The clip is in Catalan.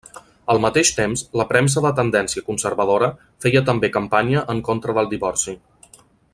Al mateix temps, la premsa de tendència conservadora feia també campanya en contra del divorci.